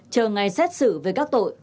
chờ ngày xét xử về các tội